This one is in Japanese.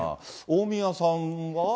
大宮さんは？